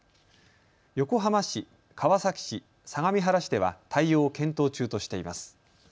横浜市、川崎市、相模原市では対応を検討中としています。